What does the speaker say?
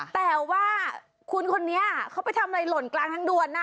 แต่ว่าคุณคนนี้เขาไปทำอะไรหล่นกลางทางด่วนนะ